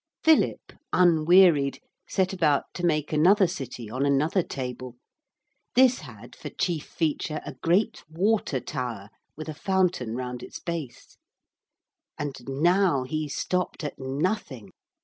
Philip, unwearied, set about to make another city on another table. This had for chief feature a great water tower, with a fountain round its base; and now he stopped at nothing.